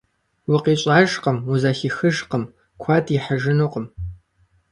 УкъищӀэжкъым, узэхихыжкъым, куэд ихьыжынукъым.